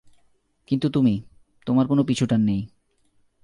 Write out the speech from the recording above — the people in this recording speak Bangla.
কিন্তু তুমি, তোমার কোনো পিছুটান নেই।